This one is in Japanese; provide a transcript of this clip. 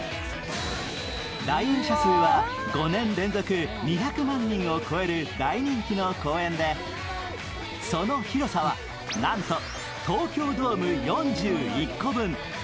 来園者数は５年連続２００万円を超える大人気の公園で、その広さはなんと、東京ドーム４１個分。